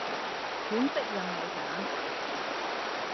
款式任你揀